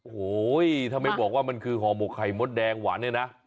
โอ้โหถ้าไม่บอกว่ามันคือห่อหมกไข่มดแดงหวานเนี่ยนะ